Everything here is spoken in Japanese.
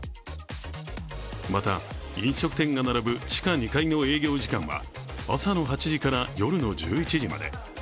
また飲食店が並ぶ地下２階の営業時間は朝の８時から夜の１１時まで。